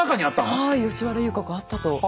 はい吉原遊郭あったと。